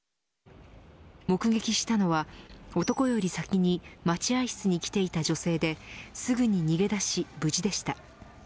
目撃したのは、男より先に待合室に来ていた女性ですぐに逃げ出し、無事でした。